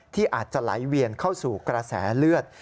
ที่อาจจะไหลเวียนเข้าสู่กระแสเลือด